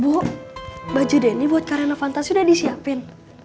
bu baju denny buat ke arena fantasi udah disiapin